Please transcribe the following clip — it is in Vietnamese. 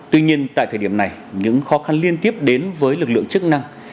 tuy nhiên tại thời điểm này những khó khăn liên tiếp đến với lực lượng chức năng